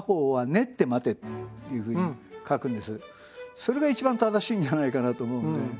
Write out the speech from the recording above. それが一番正しいんじゃないかなと思うんで。